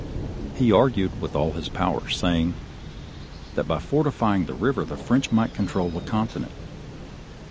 He argued with all his powers, saying that by fortifying the river, the French might control the continent.